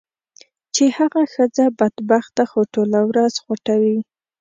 چې هغه ښځه بدبخته خو ټوله ورځ خوټوي.